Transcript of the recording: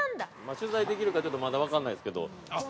◆取材できるか、ちょっとまだわかんないっすけど。